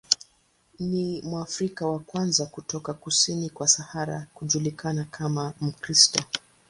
Ni Mwafrika wa kwanza kutoka kusini kwa Sahara kujulikana kama Mkristo.